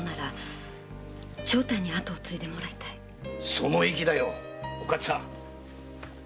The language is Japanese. その意気だよおかつさん。